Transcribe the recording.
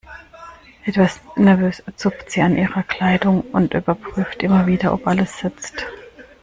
Etwas nervös zupft sie an ihrer Kleidung und überprüft immer wieder, ob alles sitzt.